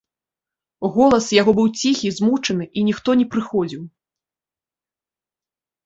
Голас яго быў ціхі, змучаны, і ніхто не прыходзіў.